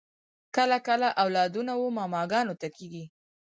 کله کله اولادونه و ماماګانو ته کیږي